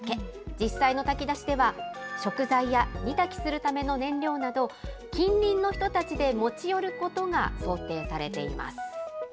実際の炊き出しでは、食材や煮炊きするための燃料など、近隣の人たちで持ち寄ることが想定されています。